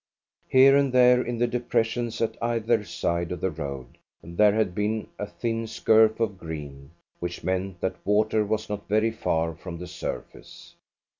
Here and there, in the depressions at either side of the road, there had been a thin scurf of green, which meant that water was not very far from the surface.